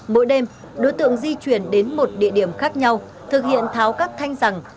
mỗi đêm đối tượng di chuyển đến một địa điểm khác nhau thực hiện tháo các thanh rằng